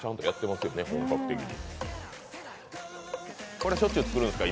これしょっちゅう作るんですか？